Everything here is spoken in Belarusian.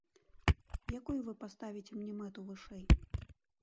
Якую вы паставіце мне мэту вышэй?